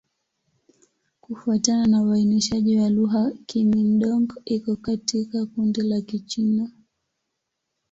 Kufuatana na uainishaji wa lugha, Kimin-Dong iko katika kundi la Kichina.